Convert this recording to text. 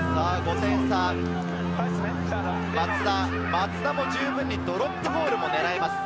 松田も十分にドロップゴールも狙えます。